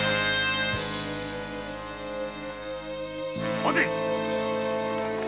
・・待て！